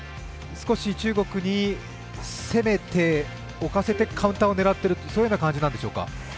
少し中国に攻めておかせてカウンターを狙っているという感じなんでしょうか。